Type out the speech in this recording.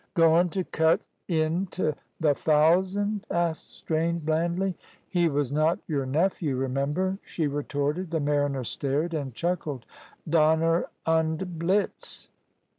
"Goin' t' cut int' th' thousand?" asked Strange, blandly. "He was not your nephew, remember," she retorted. The mariner stared and chuckled. "Donner und Blitz!"